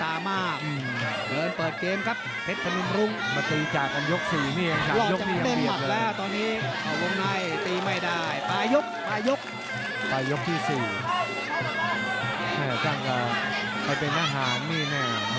หมวยผู้หญิงร้อนก็เฝ้านักละสี่ยก